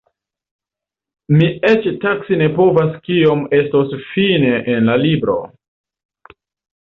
Mi eĉ taksi ne povas kiom estos fine en la libro.